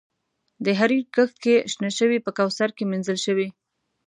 د حریر کښت کې شنه شوي په کوثر کې مینځل شوي